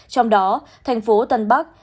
trong đó thành phố tân bắc